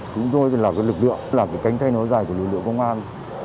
chúng tôi là cái lực lượng là cái cánh tay nối dài của lực lượng công an